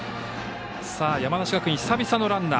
山梨学院、久々のランナー。